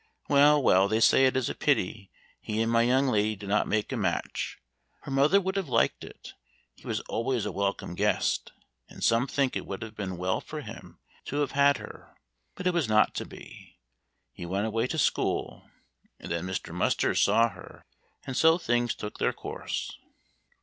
Well, well, they say it is a pity he and my young lady did not make a match. Her mother would have liked it. He was always a welcome guest, and some think it would have been well for him to have had her; but it was not to be! He went away to school, and then Mr. Musters saw her, and so things took their course."